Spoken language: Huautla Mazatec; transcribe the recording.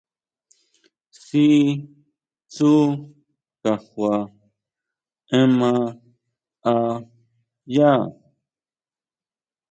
Sí tsú kajua ema a yá.